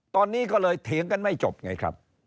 ตอนนี้ก็เลยเถียงกันไม่จบไงครับ